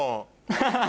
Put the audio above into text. ハハハハ。